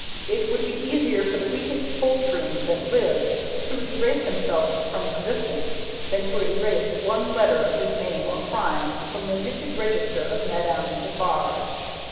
It would be easier for the weakest poltroon that lives, to erase himself from existence, than to erase one letter of his name or crimes from the knitted register of Madame Defarge."